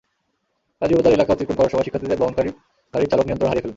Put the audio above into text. কাজীবাজার এলাকা অতিক্রম করার সময় শিক্ষার্থীদের বহনকারী গাড়ির চালক নিয়ন্ত্রণ হারিয়ে ফেলেন।